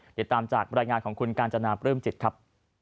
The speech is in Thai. เดี๋ยวตามจากบรรยายงานของคุณกาญจนาเปิริ่มจิตครับ